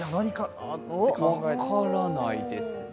分からないですね。